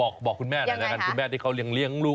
คุณแม่ที่เขาเลี้ยงลูกอ่อนอยู่